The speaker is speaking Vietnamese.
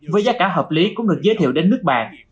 với giá cả hợp lý cũng được giới thiệu đến nước bạn